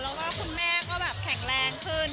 แล้วก็คุณแม่ก็แบบแข็งแรงขึ้น